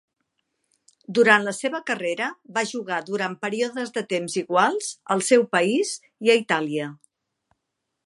Durant la seva carrera, va jugar durant períodes de temps iguals al seu país i a Itàlia.